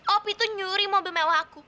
opie tuh nyuri mobil mewah aku